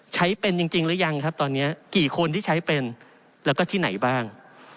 ใช้เป็นจริงหรือยังครับตอนนี้กี่คนที่ใช้เป็นแล้วก็ที่ไหนบ้าง